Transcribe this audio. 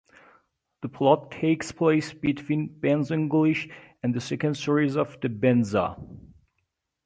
The plot takes place between "Benza English" and the second series of "The Benza".